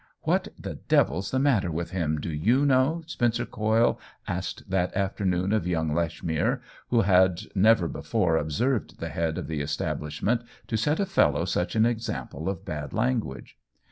What the devil's the matter with him, do you know?*' Spencer Coyle asked that afternoon of young Lechmere, who had never before observed the head of the es tablishment to set a fellow such an example of bad language.